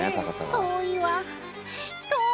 遠いわ。